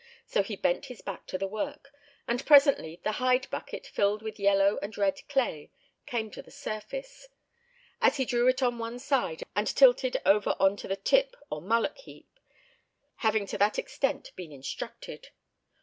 So he bent his back to the work, and presently the hide bucket, filled with yellow and red clay, came to the surface; this he drew on one side, and tilted over on to the "tip" or "mullock" heap, having to that extent been instructed.